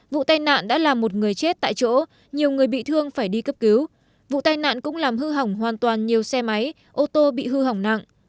vụ tai nạn đã làm một người chết tại chỗ nhiều người bị thương phải đi cấp cứu vụ tai nạn cũng làm hư hỏng hoàn toàn nhiều xe máy ô tô bị hư hỏng nặng